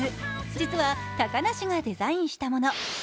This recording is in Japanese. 実は高梨がデザインしたもの。